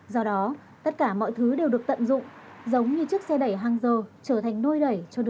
do đó tất cả mọi thứ đều được tận dụng giống như chiếc xe đẩy hàng giờ trở thành nôi đẩy cho đứa